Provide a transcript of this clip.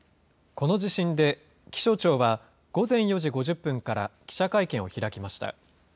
この地震で、気象庁は午前４時５０分から記者会見を開きました。